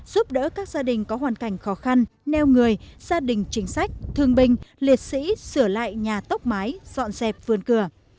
giúp đỡ các gia đình có hoàn cảnh khó khăn neo người gia đình chính sách thương binh liệt sĩ sửa lại nhà tốc mái dọn dẹp vườn cửa